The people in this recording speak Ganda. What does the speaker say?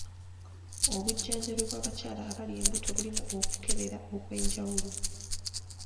Obujjanjabi bw'abakyala abali embuto bulimu okukebera okw'enjawulo.